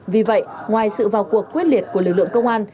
vì vậy ngoài sự vào cuộc quyết liệt của lực lượng công an